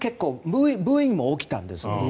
ブーイングも起きたんですよ。